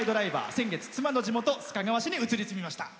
先月、妻の地元須賀川市に移り住みました。